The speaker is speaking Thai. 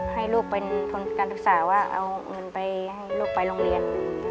ให้ลูกเป็นทุนการศึกษาว่าเอาเงินไปให้ลูกไปโรงเรียน